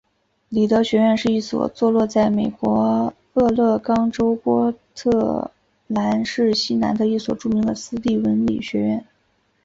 里德学院是一所坐落在美国俄勒冈州波特兰市西南的一所著名的私立文理学院。